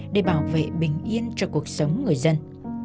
để bảo vệ bình yên cho cuộc sống người dân